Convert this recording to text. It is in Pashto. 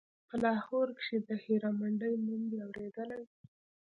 په لاهور کښې د هيرا منډيي نوم دې اورېدلى.